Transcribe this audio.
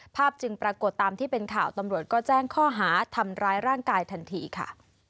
จึงปรากฏตามที่เป็นข่าวตำรวจก็แจ้งข้อหาทำร้ายร่างกายทันทีค่ะ